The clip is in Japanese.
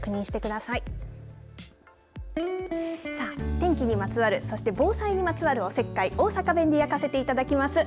天気にまつわるそして防災にまつわるおせっかい大阪弁で焼かせていただきます。